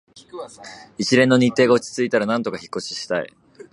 一連の日程が落ち着いたら、なんとか引っ越ししたい